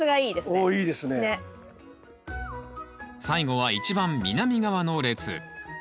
最後は一番南側の列。